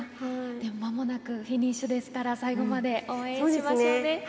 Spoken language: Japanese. でもまもなくフィニッシュですから、最後まで応援しましょうね。